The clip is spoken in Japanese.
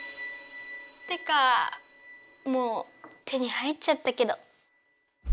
てかもう手に入っちゃったけど。